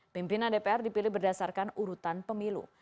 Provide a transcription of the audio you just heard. pimpinan dpr dipilih berdasarkan urutan pemilu